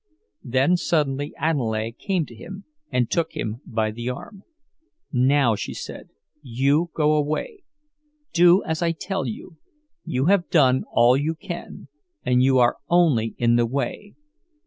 Then suddenly Aniele came to him and took him by the arm. "Now," she said, "you go away. Do as I tell you—you have done all you can, and you are only in the way.